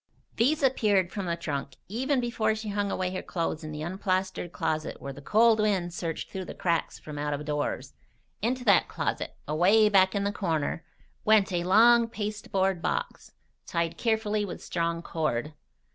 These appeared from the trunk even before she hung away her clothes in the unplastered closet where the cold wind searched through the cracks from out of doors. Into that closet, away back in the corner, went a long pasteboard box, tied carefully with strong cord.